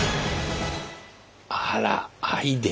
あらアイデア？